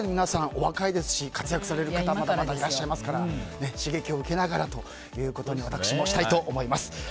お若いですし活躍される方まだまだいらっしゃいますから刺激を受けながらということに私もしたいと思います。